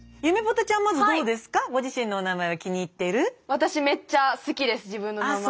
私めっちゃ好きです自分の名前。